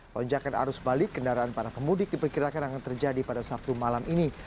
lonjakan arus balik kendaraan para pemudik diperkirakan akan terjadi pada sabtu malam ini